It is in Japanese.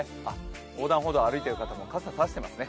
横断歩道を歩いている方も傘を差していますね。